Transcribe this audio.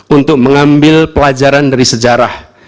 untuk mengambil pelajaran dari sejarah